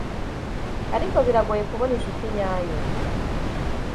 ariko biragoye kubona inshuti nyayo.